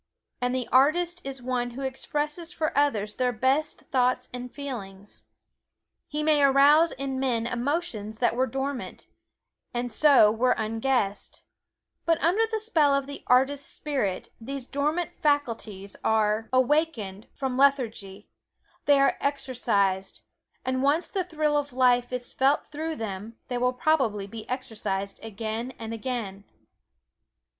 And the artist is one who expresses for others their best thoughts and feelings. He may arouse in men emotions that were dormant, and so were unguessed; but under the spell of the artist spirit, these dormant faculties are awakened from lethargy they are exercised, and once the thrill of life is felt through them, they will probably be exercised again and again.